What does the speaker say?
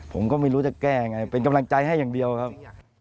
ผมก็ไม่รู้จะแก้ยังไงเป็นกำลังใจให้อย่างเดียวครับ